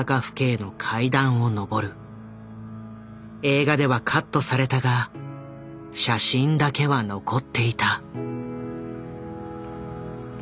映画ではカットされたが写真だけは残っていた。